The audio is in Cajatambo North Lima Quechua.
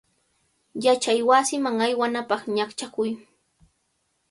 Yachaywasiman aywanapaq ñaqchakuy.